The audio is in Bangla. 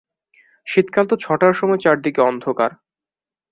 শীতকাল তো ছাঁটার সময় চারদিক অন্ধকার।